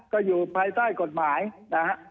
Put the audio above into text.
ก็อยู่ภายใต้กฎหมายนะฮะ